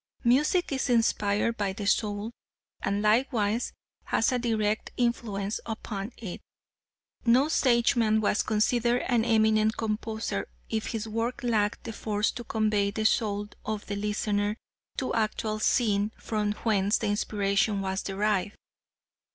Music is inspired by the soul, and likewise has a direct influence upon it. No Sageman was considered an eminent composer if his work lacked the force to convey the soul of the listener to the actual scene from whence the inspiration was derived.